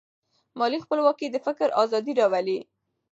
مالي خپلواکي د فکر ازادي راوړي.